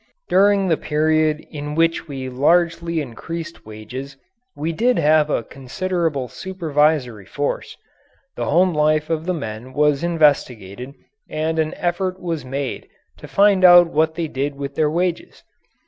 During the period in which we largely increased wages we did have a considerable supervisory force. The home life of the men was investigated and an effort was made to find out what they did with their wages.